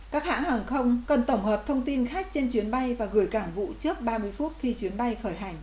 các hãng hàng không cần tổng hợp thông tin khách trên chuyến bay và gửi cảng vụ trước ba mươi phút khi chuyến bay khởi hành